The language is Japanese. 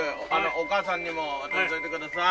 お母さんにも渡しといてください。